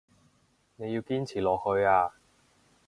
你要堅持落去啊